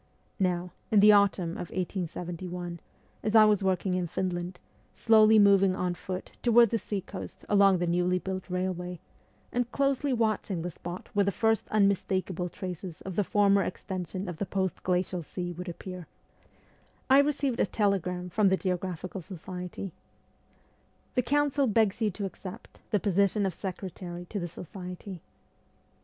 Now, in the autumn of 1871, as I was working in Finland, slowly moving on foot toward the sea coast along the newly built railway, and closely watching the spot where the first unmistakable traces of the former extension of the post glacial sea would appear, I received a telegram from the Geographical Society :' The council begs you to accept the position of secretary to the Society.'